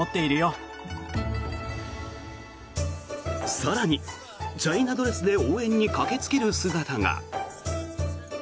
更に、チャイナドレスで応援に駆けつける姿が。